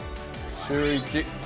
シューイチ。